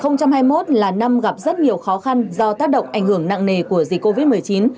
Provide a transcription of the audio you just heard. năm hai nghìn hai mươi một là năm gặp rất nhiều khó khăn do tác động ảnh hưởng nặng nề của dịch covid một mươi chín